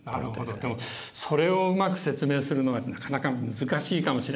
でもそれをうまく説明するのはなかなか難しいかもしれないね。